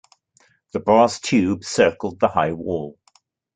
The brass tube circled the high wall.